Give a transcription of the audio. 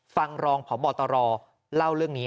ฟังรองผอมบตรเล่าเรื่องนี้